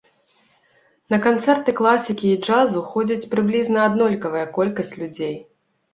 На канцэрты класікі і джазу ходзіць прыблізна аднолькавая колькасць людзей.